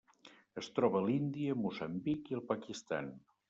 Es troba a l'Índia, Moçambic i el Pakistan.